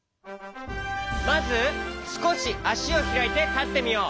まずすこしあしをひらいてたってみよう。